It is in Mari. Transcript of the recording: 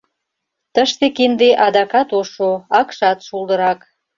Тыште кинде адакат ошо, акшат шулдырак.